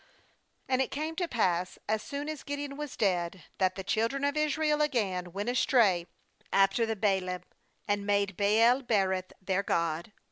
^And it came to pass, as soon as Gideon was dead, that the children of Israel again went astray after the Baalim, and made Baal berith their god.